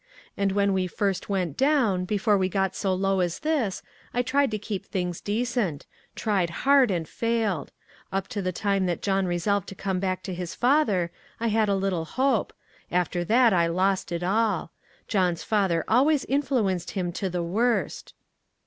And when we first went down, before we got BO low as this, I tried to keep things decent ; tried hard, and failed. Up to the time that John resolved to come ^ack to his father, I had a little hope; after that I lost it all. John's father always influenced him to the worst."